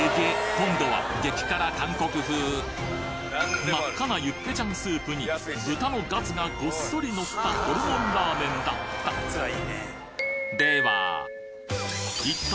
今度は激辛韓国風真っ赤なユッケジャンスープに豚のガツがごっそりのったホルモンラーメンだった一体